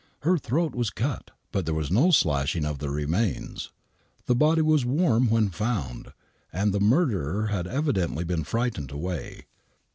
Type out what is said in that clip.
Her throat was cut, but there was no slashing of the remains. The body was warm when found, and the murderer had evi dently been frightened away.